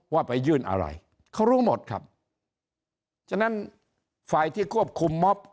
ว่าไปยื่นอะไรเขารู้หมดครับฉะนั้นฝ่ายที่ควบคุมมอบ